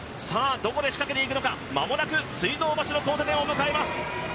どこで仕掛けていくのか、間もなく水道橋の交差点を迎えます。